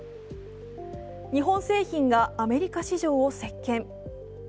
日本製品がアメリカ市場を席巻。